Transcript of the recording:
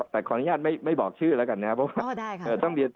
แต่ขออนุญาตไม่บอกชื่อแล้วกันนะครับเพราะว่า